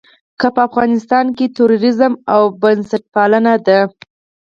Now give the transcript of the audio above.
که په افغانستان کې تروريزم او بنسټپالنه ده.